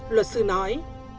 luật sư nói